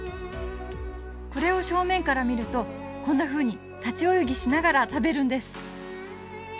これを正面から見るとこんなふうに立ち泳ぎしながら食べるんです。